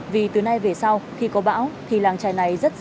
vì từ nay về sau khi có bão thì làng trài này rất sâu